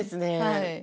はい。